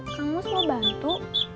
kang mus mau bantu